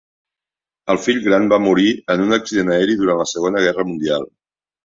El fill gran va morir en un accident aeri durant la Segona Guerra Mundial.